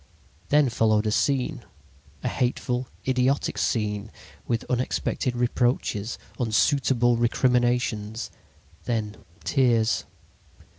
"Then followed a scene, a hateful, idiotic scene, with unexpected reproaches, unsuitable recriminations, then tears.